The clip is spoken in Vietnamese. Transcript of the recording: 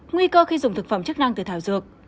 nguy cơ khi dùng thực phẩm chức năng từ thảo dược